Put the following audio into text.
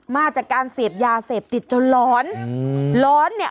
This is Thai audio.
มาจากการเสพยาเสพติดจนร้อนอืมร้อนเนี่ย